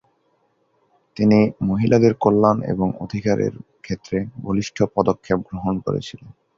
তিনি মহিলাদের কল্যাণ এবং অধিকারের ক্ষেত্রে বলিষ্ঠ পদক্ষেপ গ্রহণ করেছিলেন।